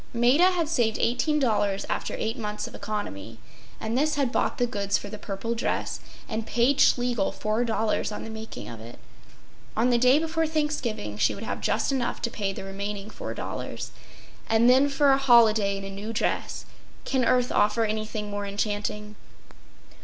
Maida had saved $18 after eight months of economy; and this had bought the goods for the purple dress and paid Schlegel $4 on the making of it. On the day before Thanksgiving she would have just enough to pay the remaining $4. And then for a holiday in a new dress—can earth offer anything more enchanting?